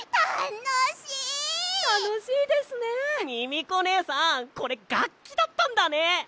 ミミコねえさんこれがっきだったんだね！